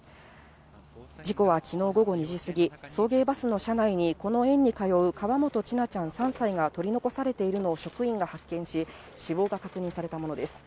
事故はきのう午後２時過ぎ、送迎バスの車内にこの園に通う河本千奈ちゃん３歳が取り残されているのを職員が発見し、死亡が確認されたものです。